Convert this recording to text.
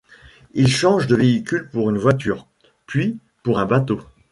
Ils changent de véhicule pour une voiture, puis pour un bateau.